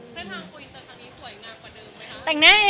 เส้นทางคุยอินเตอร์ครั้งนี้สวยงามกว่าเดิมไหมคะ